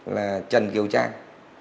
là trần kiều trang